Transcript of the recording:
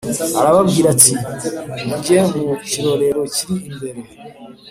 arababwira ati “Mujye mu kirorero kiri imbere